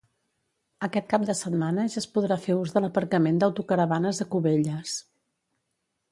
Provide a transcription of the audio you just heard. Aquest cap de setmana ja es podrà fer ús de l'aparcament d'autocaravanes a Cubelles.